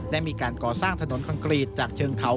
และมีการก่อสร้างถนนคอนกรีตจากเชิงเขา